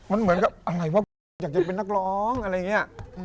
มันเหมือนกับอะไรวะอยากจะเป็นนักร้องอะไรอย่างนี้